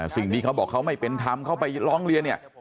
สิ่งที่เขาบอกเขาไม่เป็นธรรมเขาไปร้องเรียนเนี่ย